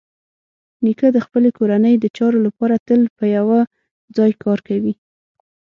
نیکه د خپلې کورنۍ د چارو لپاره تل په یوه ځای کار کوي.